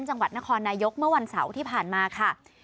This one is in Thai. จังหวัดนครนายกเมื่อวันเสาร์ที่ผ่านมาค่ะ